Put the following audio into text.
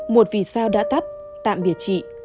một vì sao đã tắt tạm biệt chị